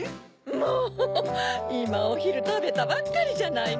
もういまおひるたべたばっかりじゃないの！